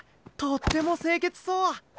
とっても清潔そう。